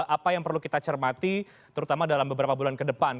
apa yang perlu kita cermati terutama dalam beberapa bulan ke depan